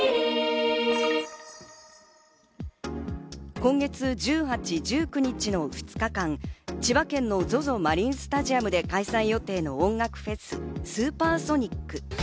今月１８、１９日の２日間、千葉県のＺＯＺＯマリンスタジアムで開催予定の音楽フェス、スーパーソニック。